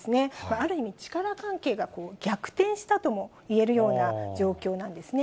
ある意味、力関係が逆転したともいえるような状況なんですね。